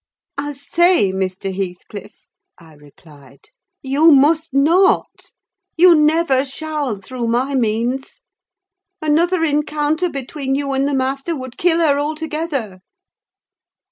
"I say, Mr. Heathcliff," I replied, "you must not: you never shall, through my means. Another encounter between you and the master would kill her altogether."